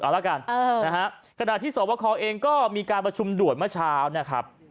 เอาละกันขณะที่สวคคอล์เองก็มีการประชุมโดรณ์เมื่อเช้า